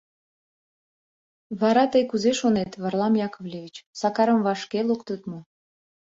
— Вара тый кузе шонет, Варлам Яковлевич, Сакарым вашке луктыт мо?